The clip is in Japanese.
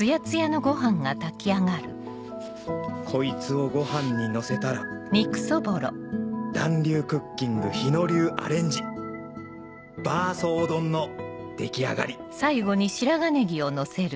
こいつをご飯にのせたら『檀流クッキング』日野流アレンジバーソー丼の出来上がりハァ。